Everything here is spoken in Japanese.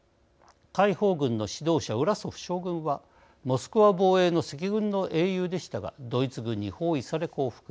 解放軍の指導者、ウラソフ将軍はモスクワ防衛の赤軍の英雄でしたがドイツ軍に包囲され、降伏。